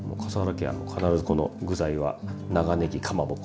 家は必ずこの具材は長ねぎかまぼこ。